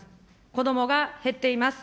子どもが減っています。